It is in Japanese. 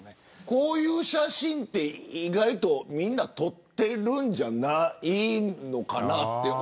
こういう写真は意外とみんな撮っているんじゃないのかな。